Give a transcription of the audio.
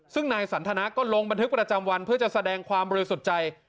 ซึ่งนายสันทนาก็ลงบันทึกประจำวันเพื่อจะแสดงความบริสุทธิ์ใจ